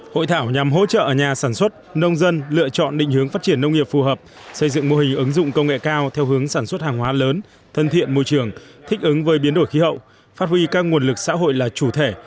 hội thảo nhằm hỗ trợ nhà sản xuất nông dân lựa chọn định hướng phát triển nông nghiệp phù hợp xây dựng mô hình ứng dụng công nghệ cao theo hướng sản xuất hàng hóa lớn thân thiện môi trường thích ứng với biến đổi khí hậu phát huy các nguồn lực xã hội là chủ thể